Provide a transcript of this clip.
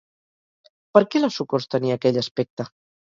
Per què la Socors tenia aquell aspecte?